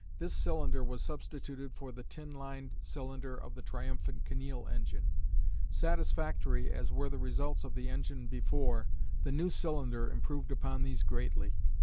This cylinder was substituted for the tin lined cylinder of the triumphant Kinneil engine. Satisfactory as were the results of the engine before, the new cylinder improved upon these greatly.